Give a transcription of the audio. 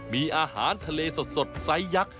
มีอาหารทะเลสดไซสยักษ์